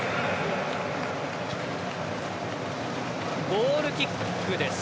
ゴールキックです。